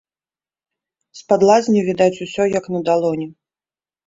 З-пад лазні відаць усё як на далоні.